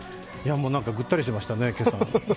なんかぐったりしてましたね、今朝。